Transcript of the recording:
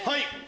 はい。